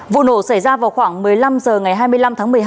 vụ nổ xảy ra vào khoảng một mươi năm h ngày hai mươi năm tháng một mươi hai